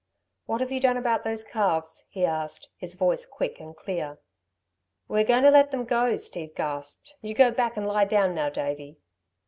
"What have you done about those calves?" he asked, his voice quick and clear. "We are going to let 'em go," Steve gasped. "You go back and lie down now, Davey."